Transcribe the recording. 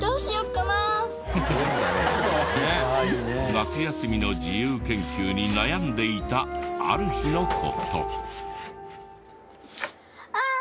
夏休みの自由研究に悩んでいたある日の事。